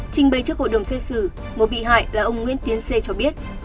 trình bày trước hội đồng xét xử một bị hại là ông nguyễn tiến xê cho biết